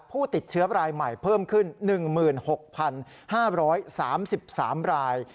ผู้ติดเชื้อรายใหม่เพิ่มขึ้น๑๖๕๓๓ราย